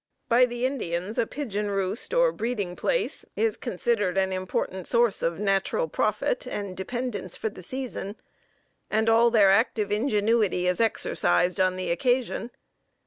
By the Indians, a pigeon roost, or breeding place, is considered an important source of national profit and dependence for the season; and all their active ingenuity is exercised on the occasion.